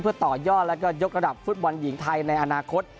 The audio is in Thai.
เพื่อต่อยอดแล้วก็ยกระดับฟุตบอลหญิงไทยในอนาคต